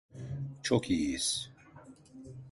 Çok iyiyiz.